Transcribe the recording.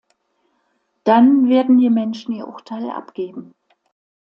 Dann werden die Menschen ihr Urteil abgeben.